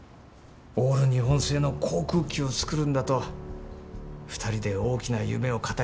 オール日本製の航空機を作るんだと２人で大きな夢を語り合っていたので。